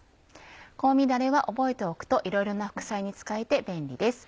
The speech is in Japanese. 香味だれは覚えておくといろいろな副菜に使えて便利です。